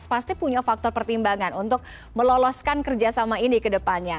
pasti punya faktor pertimbangan untuk meloloskan kerjasama ini ke depannya